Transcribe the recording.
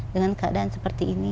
dengan keadaan seperti ini